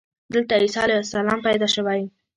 دلته عیسی علیه السلام پیدا شوی.